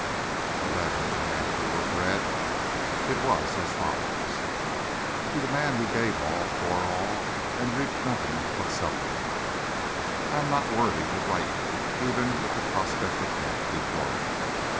The letter I afterward read. It was as follows: TO THE MAN WHO GAVE ALL, BORE ALL, AND REAPED NOTHING BUT SUFFERING: I am not worthy to write you, even with the prospect of death before me.